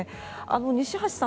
西橋さん